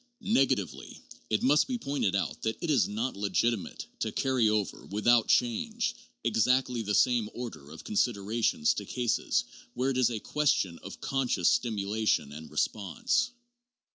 Negatively, it must be pointed out that it is not legitimate to carry over, without change, exactly the same order of considerations to cases where it is a question of conscious stimulation and response.